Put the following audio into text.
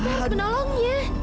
kita harus ke nolongnya